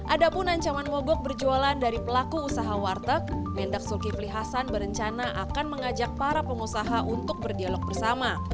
adapun ancaman mobok berjualan dari pelaku usaha warteg mendak sulki vli hasan berencana akan mengajak para pengusaha untuk berdialog bersama